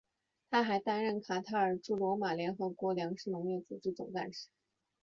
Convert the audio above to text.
他还担任卡塔尔驻罗马联合国粮食农业组织总干事。